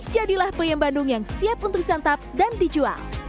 jadilah peyem bandung yang siap untuk disantap dan dijual